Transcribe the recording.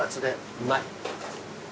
うまい。